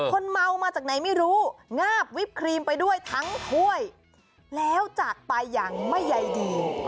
คนเมามาจากไหนไม่รู้งาบวิปครีมไปด้วยทั้งถ้วยแล้วจากไปอย่างไม่ใยดี